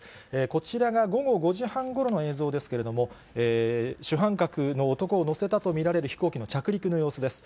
こちらが午後５時半ごろの映像ですけれども、主犯格の男を乗せたと見られる飛行機の着陸の様子です。